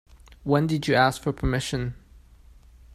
When did you ask for permission?